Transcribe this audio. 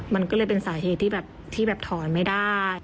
มันก็เลยเป็นสาเหตุที่แบบที่แบบถอนไม่ได้